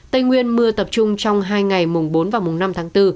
tây nguyên mưa tập trung trong hai ngày mùng bốn và mùng năm tháng bốn